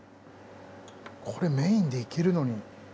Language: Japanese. これメインでいけるのに。